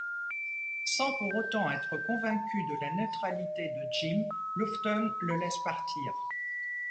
Sans pour autant être convaincu de la neutralité de Jim, Lufton le laisse partir.